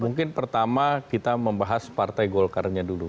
mungkin pertama kita membahas partai golkarnya dulu